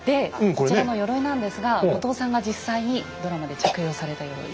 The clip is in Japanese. こちらの鎧なんですが後藤さんが実際にドラマで着用された鎧。